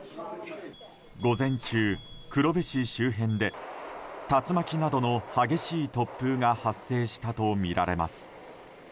午前中、黒部市周辺で竜巻などの激しい突風が発生したとみられます。